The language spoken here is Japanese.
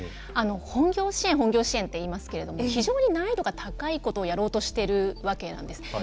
本業支援、本業支援といいますけど非常に難易度が高いことをやろうとしているわけなんです。